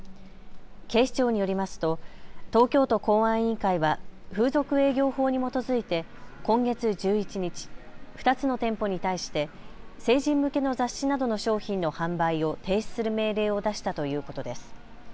警視庁によりますと東京都公安委員会は風俗営業法に基づいて今月１１日、２つの店舗に対して成人向けの雑誌などの商品の販売を停止する命令を出したということです。